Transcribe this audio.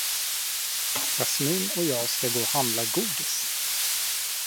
Jasmine och jag ska gå och handla godis.